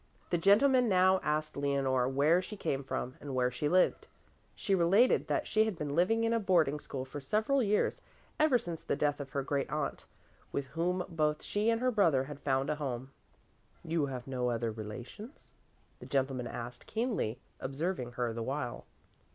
The gentleman now asked Leonore where she came from and where she lived. She related that she had been living in a boarding school for several years, ever since the death of her great aunt, with whom both she and her brother had found a home. "Have you no other relations?" the gentleman asked, keenly observing her the while.